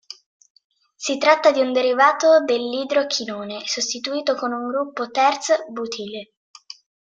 Si tratta di un derivato dell'idrochinone, sostituito con un gruppo "terz"-butile.